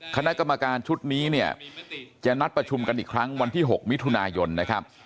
คณะกรรมการชุดนี้เนี่ยจะนัดประชุมกันอีกครั้งวันที่๖มิถุนายนนะครับ